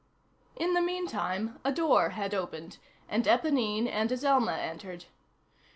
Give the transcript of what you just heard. In the meantime, a door had opened, and Éponine and Azelma entered.